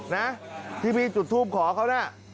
นะที่พี่จุดทูปขอเขาน่ะ